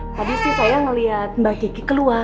tadi sih saya melihat mbak kiki keluar